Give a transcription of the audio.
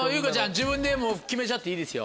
自分で決めちゃっていいですよ。